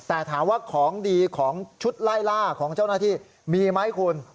แต่ถามว่าของดีของชุดไล่ล่าของเจ้าหน้าที่มีไหมคุณ